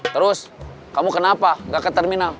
terus kamu kenapa nggak ke terminal